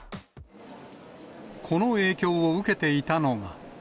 この影響を受けていたのが。